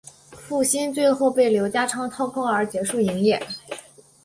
博新最后被刘家昌掏空而结束营业。